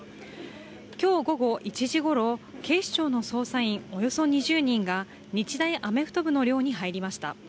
今日午後１時ごろ警視庁の捜査員およそ２０人が日大アメフト部の寮に入りました。